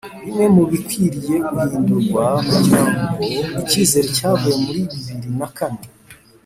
Bimwe, mubikwiye guhindurwa kugirango, icyizere, cyavuye muri bibiri na kane